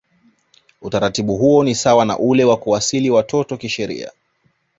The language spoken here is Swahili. Utaratibu huo ni sawa na ule wa kuasili watoto kisheria